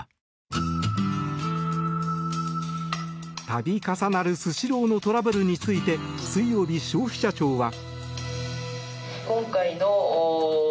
度重なるスシローのトラブルについて水曜日、消費者庁は。